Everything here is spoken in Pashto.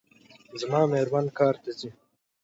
زما میرمن کار ته ځي